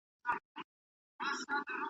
بې اختیاره له یارانو بېلېده دي .